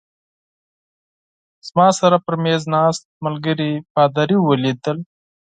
زما سره پر مېز ناست ملګري پادري ولید.